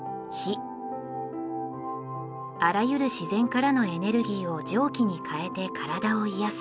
あらゆる自然からのエネルギーを蒸気に変えて体を癒やす。